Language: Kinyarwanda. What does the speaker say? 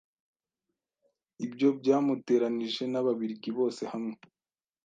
Ibyo byamuteranije n'Ababiligi bose hamwe,